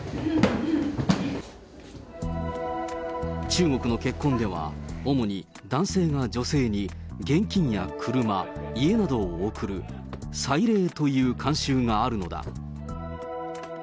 中国の結婚では、主に、男性が女性に現金や車、家などを贈る彩礼という慣習があるのだ。